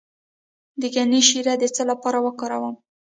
د ګني شیره د څه لپاره وکاروم؟